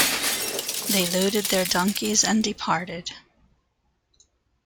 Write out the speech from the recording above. They loaded their donkeys and departed.